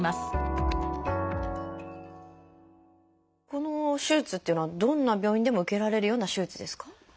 この手術っていうのはどんな病院でも受けられるような手術ですか？